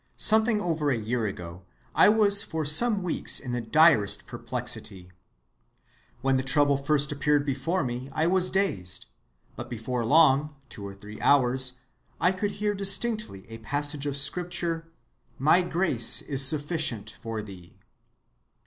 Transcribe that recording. Something over a year ago I was for some weeks in the direst perplexity. When the trouble first appeared before me I was dazed, but before long (two or three hours) I could hear distinctly a passage of Scripture: 'My grace is sufficient for thee.